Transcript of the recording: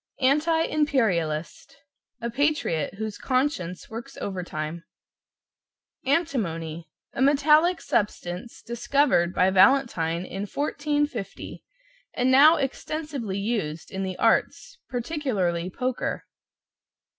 =ANTI IMPERIALIST= A patriot whose conscience works overtime. =ANTIMONY= A metallic substance discovered by Valentine in 1450, and now extensively used in the arts particularly poker.